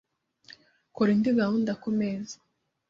Kora indi gahunda kumeza .